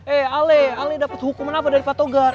eh ale ale dapat hukuman apa dari pak togar